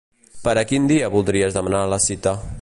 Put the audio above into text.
Per a quin dia voldries demanar la cita?